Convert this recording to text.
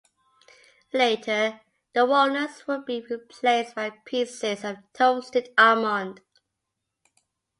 Later, the walnuts would be replaced by pieces of toasted almond.